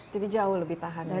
jadi jauh lebih tahan ya